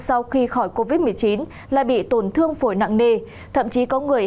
sau khi khỏi covid một mươi chín lại bị tổn thương phổi nặng nề thậm chí có người